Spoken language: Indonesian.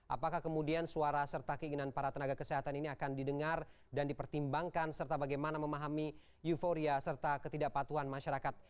apakah kemudian suara serta keinginan para tenaga kesehatan ini akan didengar dan dipertimbangkan serta bagaimana memahami euforia serta ketidakpatuhan masyarakat